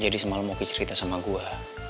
jadi semalam oki cerita sama gue